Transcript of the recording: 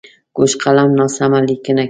کوږ قلم ناسمه لیکنه کوي